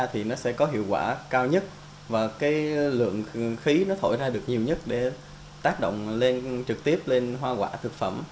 thì nó sẽ có hiệu quả cao nhất và cái lượng khí nó thổi ra được nhiều nhất để tác động trực tiếp lên hoa quả thực phẩm